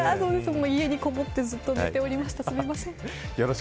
家にこもってずっと寝ておりました。